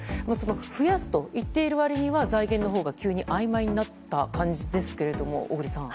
増やすといっている割には財源のほうが急にあいまいになった感じですが小栗さん。